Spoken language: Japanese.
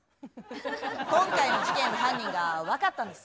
今回の事件の犯人が分かったんです。